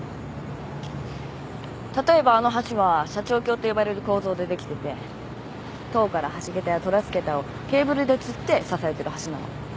例えばあの橋は斜張橋って呼ばれる構造でできてて塔から橋げたやトラスけたをケーブルでつって支えてる橋なの。